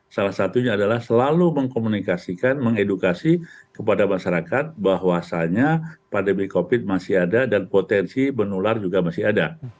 salah satunya adalah selalu mengkomunikasikan mengedukasi kepada masyarakat bahwasannya pandemi covid masih ada dan potensi menular juga masih ada